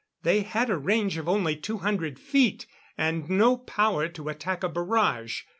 They had a range of only two hundred feet, and no power to attack a barrage.